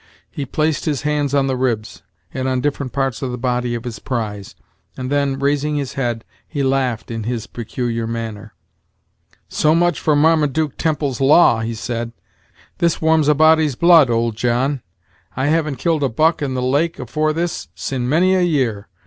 He placed his hands on the ribs, and on different parts of the body of his prize, and then, raising his head, he laughed in his peculiar manner. "So much for Marmaduke Temple's law!" he said, "This warms a body's blood, old John: I haven't killed a buck in the lake afore this, sin' many a year.